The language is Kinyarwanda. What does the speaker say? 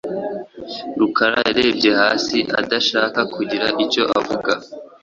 Rukara yarebye hasi, adashaka kugira icyo avuga.